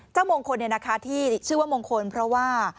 เจ้าโมงคลเนี่ยนะคะที่ชื่อว่าโมงคลเพราะว่า